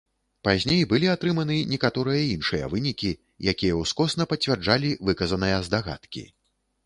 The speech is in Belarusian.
Пазней былі атрыманы некаторыя іншыя вынікі, якія ўскосна пацвярджалі выказаныя здагадкі.